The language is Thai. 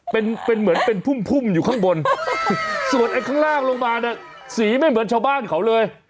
เป็นเป็นเหมือนเป็นพุ่มพุ่มอยู่ข้างบนส่วนไอ้ข้างล่างลงมาน่ะสีไม่เหมือนชาวบ้านเขาเลย